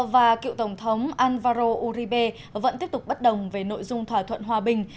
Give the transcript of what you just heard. và cựu tổng thống alvaro uribe vẫn tiếp tục bất đồng về nội dung thỏa thuận hòa bình